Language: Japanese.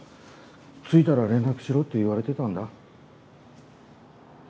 着いたら連絡しろって言われてたんだ。